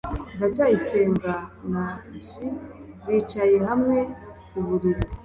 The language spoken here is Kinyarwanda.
ndacyayisenga na j bicaye hamwe ku buriri